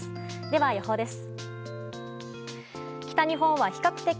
では、予報です。